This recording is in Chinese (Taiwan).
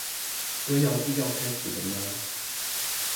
歌謠祭要開始了嗎